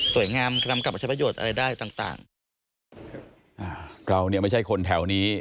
งามนำกลับมาใช้ประโยชน์อะไรได้ต่างต่างอ่าเราเนี่ยไม่ใช่คนแถวนี้